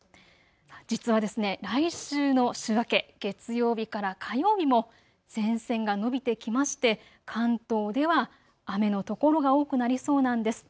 実は来週の週明け、月曜日から火曜日も前線が延びてきまして関東では雨の所が多くなりそうなんです。